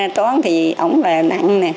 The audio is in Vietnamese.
tốn thì ổng là nặng nè